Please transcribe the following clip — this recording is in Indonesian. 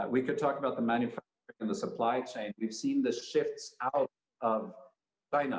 kita bisa berbicara tentang pembuatan dan kawasan penguasaan kami telah melihat perubahan di china